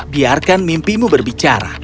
biarkan mimpimu berbicara